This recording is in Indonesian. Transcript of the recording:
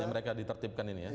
jadi mereka ditertipkan ini ya